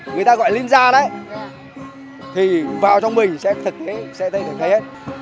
người ta gọi linh gia đấy thì vào trong mình sẽ thực hế sẽ thực hế hết